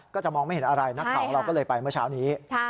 ก็จะมองไม่เห็นอะไรนักข่าวของเราก็เลยไปเมื่อเช้านี้